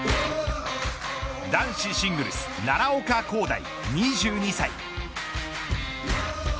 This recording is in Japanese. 男子シングルス奈良岡功大２２歳。